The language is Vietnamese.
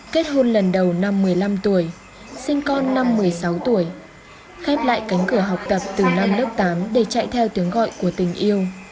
kết hôn lần đầu năm một mươi năm tuổi sinh con năm một mươi sáu tuổi khép lại cánh cửa học tập từ năm lớp tám để chạy theo tiếng gọi của tình yêu